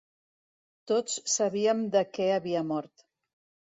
Tots sabíem de què havia mort.